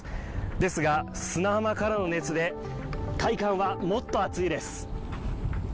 ですが、砂浜からの熱で体感はもっと暑いです。